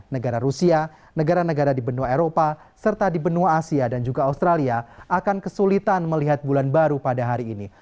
negara rusia negara negara di benua eropa serta di benua asia dan juga australia akan kesulitan melihat bulan baru pada hari ini